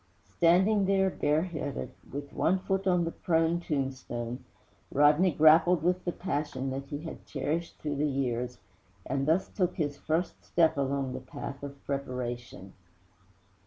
Standing there bareheaded, with one foot on the prone tombstone, Rodney grappled with the passion that he had cherished through the years, and thus took his first step along the path of preparation.